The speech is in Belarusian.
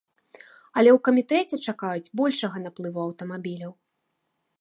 Але ў камітэце чакаюць большага наплыву аўтамабіляў.